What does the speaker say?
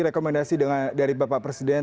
rekomendasi dari bapak presiden